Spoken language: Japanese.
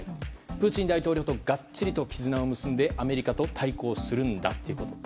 プーチン大統領とがっちりと絆を結んでアメリカと対抗するんだということ。